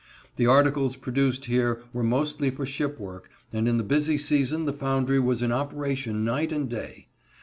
The articles produced here were mostly for ship work, and in the busy season the foundry was in operation night and day.